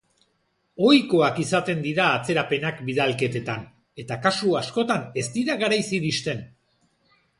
Ohikoak izaten dira atzerapenak bidalketetan, eta kasu askotan ez dira garaiz iristen.